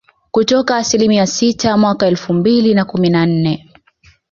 kutoka asilimia sita mwaka elfu mbili na kumi na nne